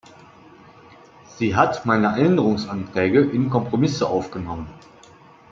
Sie hat meine Änderungsanträge in Kompromisse aufgenommen.